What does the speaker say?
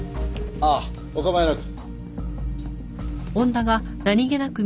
ああお構いなく。